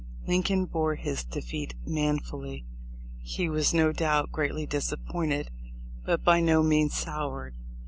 Lincoln bore his defeat manfully. He was no doubt greatly disappointed, but by no means soured.